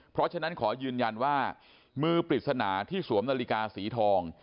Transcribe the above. เพราะฉะนั้นขอยืนยันว่ามือปริศนาที่สวมนาฬิกาสีทอง